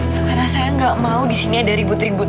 karena saya gak mau disini ada ribut ribut